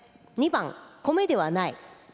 ２番、米ではない。